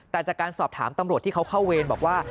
แต่จากการสอบถามตำรวจที่เขาเข้าเวรบอกว่า